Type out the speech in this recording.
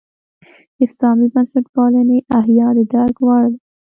اسلامي بنسټپالنې احیا د درک وړ ده.